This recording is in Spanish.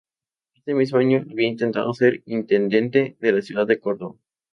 Ese mismo año había intentado ser intendente de la Ciudad de Córdoba.